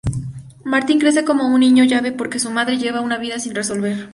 Martin crece como un niño llave porque su madre lleva una vida sin resolver.